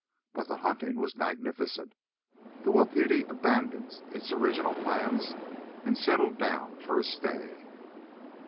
But the hunting was magnificent. The Wapiti abandoned its original plans and settled down for a stay.